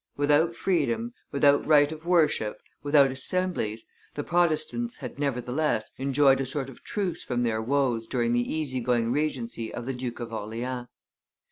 Without freedom, without right of worship, without assemblies, the Protestants had, nevertheless, enjoyed a sort of truce from their woes during the easy going regency of the Duke of Orleans.